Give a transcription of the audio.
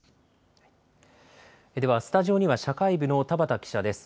ではスタジオには社会部の田畑記者です。